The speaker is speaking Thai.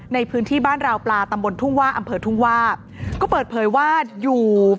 ในพื้นที่บ้านราวปลาตำบลทุ่งว่าอำเภอทุ่งว่าก็เปิดเผยว่าอยู่